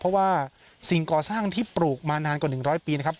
เพราะว่าสิ่งก่อสร้างที่ปลูกมานานกว่า๑๐๐ปีนะครับ